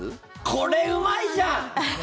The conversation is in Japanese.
これ、うまいじゃん！